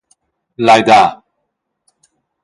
Lai dar.